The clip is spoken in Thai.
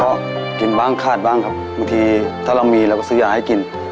ก็กินบ้างขาดบ้างครับบางทีถ้าเรามีเราก็ซื้อยาให้กิน